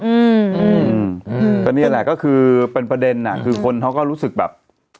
อืมก็นี่แหละก็คือเป็นประเด็นอ่ะคือคนเขาก็รู้สึกแบบ